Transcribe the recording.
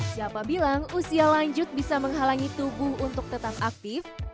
siapa bilang usia lanjut bisa menghalangi tubuh untuk tetap aktif